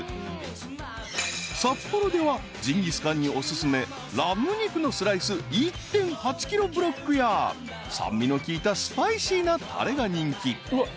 ［札幌ではジンギスカンにお薦めラム肉のスライス１．８ｋｇブロックや酸味の効いたスパイシーなたれが人気］